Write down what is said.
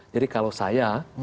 jadi kalau saya